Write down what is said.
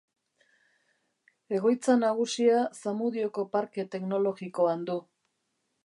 Egoitza nagusia Zamudioko parke teknologikoan du.